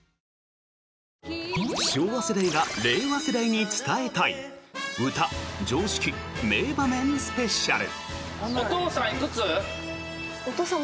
昭和世代が令和世代に伝えたい歌、常識、名場面スペシャル！